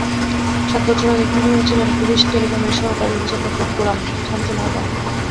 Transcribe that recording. সাত বছর আগে খুন হয়েছিলেন পুলিশ টেলিকমের সহকারী হিসাবরক্ষক গোলাম শামসুল হায়দার।